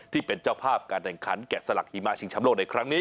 ที่เป็นเจ้าภาพการแข่งขันแกะสลักหิมะชิงชำโลกในครั้งนี้